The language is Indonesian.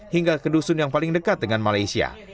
hingga ke dusun yang paling dekat dengan malaysia